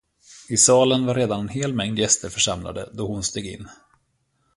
I salen var redan en hel mängd gäster församlade, då hon steg in.